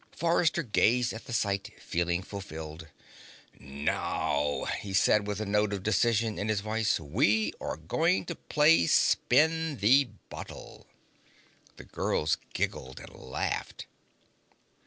Forrester gazed at the sight, feeling fulfilled. "Now," he said with a note of decision in his voice, "we are going to play Spin the Bottle!" The girls giggled and laughed.